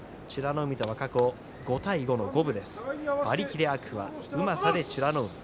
海とは５対５の五分。